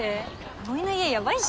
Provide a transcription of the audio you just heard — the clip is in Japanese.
葵の家ヤバいっしょ。